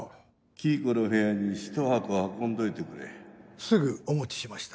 黄以子の部屋にひと箱運んでおいてくすぐお持ちしました。